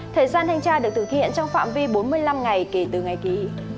thời gian thanh tra được thực hiện trong phạm vi bốn mươi năm ngày kể từ ngày ký